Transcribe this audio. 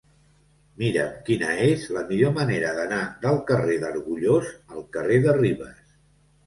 Mira'm quina és la millor manera d'anar del carrer d'Argullós al carrer de Ribes.